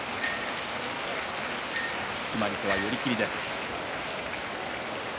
決まり手は寄り切りです。